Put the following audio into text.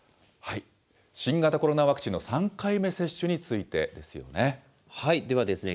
新型コロナワクチンの３回目接種についてですよね。